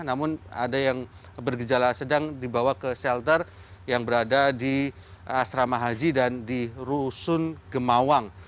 namun ada yang bergejala sedang dibawa ke shelter yang berada di asrama haji dan di rusun gemawang